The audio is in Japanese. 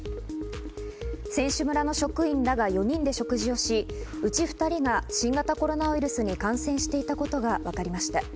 選手村の職員らが４人で食事をし、うち２人が新型コロナウイルスに感染していたことがわかりました。